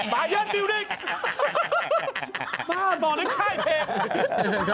บานเย็นมิวสิก